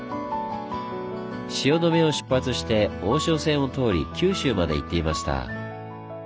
汐留を出発して大汐線を通り九州まで行っていました。